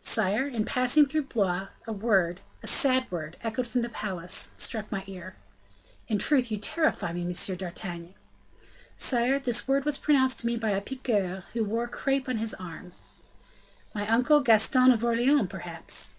"Sire, in passing through Blois, a word, a sad word, echoed from the palace, struck my ear." "In truth, you terrify me, M. d'Artagnan." "Sire, this word was pronounced to me by a piqueur, who wore crape on his arm." "My uncle, Gaston of Orleans, perhaps."